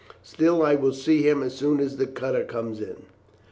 Still, I will see him as soon as the cutter comes in."